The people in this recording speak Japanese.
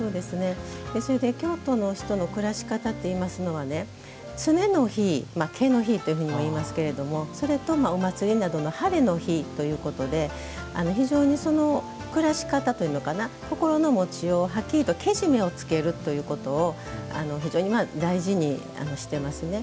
それで、京都の人の暮らし方といいますのは常の日ケの日ともいいますけどもそれと、お祭りなどのハレの日ということで非常に、暮らし方というのかな心の持ちようを、はっきりとけじめをつけるということを非常に大事にしてますね。